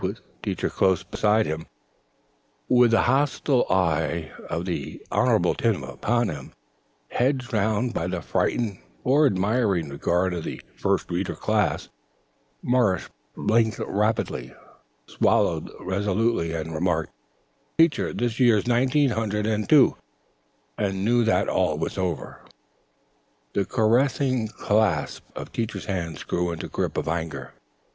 With teacher close beside him, with the hostile eye of the Honorable Tim upon him, hedged round about by the frightened or admiring regard of the First Reader Class, Morris blinked rapidly, swallowed resolutely, and remarked: "Teacher, this year's Nineteen hundred and two," and knew that all was over. The caressing clasp of Teacher's hands grew into a grip of anger.